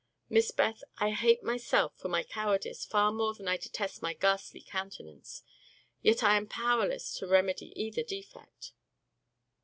Miss Beth, I hate myself for my cowardice far more than I detest my ghastly countenance. Yet I am powerless to remedy either defect."